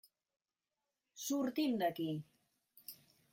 Sortim d'aquí.